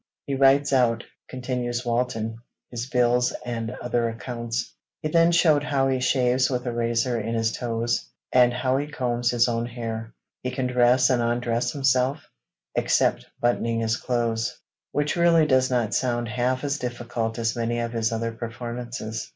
He writes out,' continues Walton, 'his bills and other accounts. He then showed how he shaves with a razor in his toes, and how he combs his own hair. He can dress and undress himself, except buttoning his clothes,' which really does not sound half as difficult as many of his other performances.